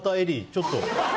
ちょっと。